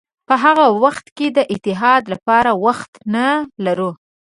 په هغه وخت کې د اتحاد لپاره وخت نه لرو.